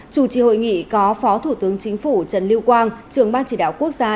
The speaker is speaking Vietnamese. chủ trì hội nghị có phó thủ tướng chính phủ trần lưu quang trưởng ban chỉ đạo quốc gia